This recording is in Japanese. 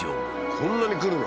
こんなに来るの？